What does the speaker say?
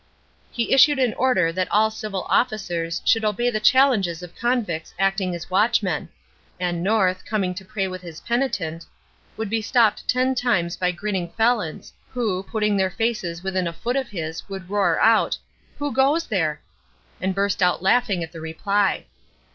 He issued an order that all civil officers should obey the challenges of convicts acting as watchmen; and North, coming to pray with his penitent, would be stopped ten times by grinning felons, who, putting their faces within a foot of his, would roar out, "Who goes there?" and burst out laughing at the reply.